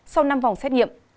sau năm vòng xét nghiệm